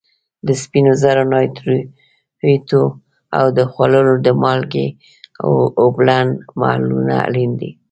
د سپینو زرو نایټریټو او د خوړو د مالګې اوبلن محلولونه اړین دي.